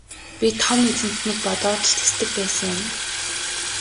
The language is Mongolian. Би Том эзэнтнийг бодоод л тэсдэг байсан юм.